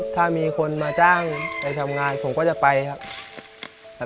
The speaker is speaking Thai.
ถ้ามีคนมาจ้างไปทำงานผมก็จะไปครับ